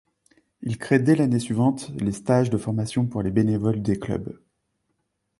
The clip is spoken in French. Il crée dès l'année suivante les stages de formation pour les bénévoles des clubs.